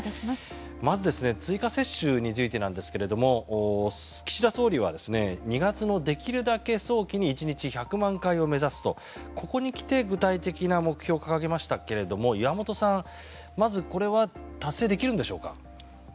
まず追加接種についてなんですが岸田総理は２月のできるだけ早期に１日１００万回を目指すとここに来て具体的な目標を掲げましたが岩本さん、まずこれは達成できるんでしょうか。